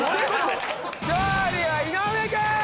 勝利は井上君！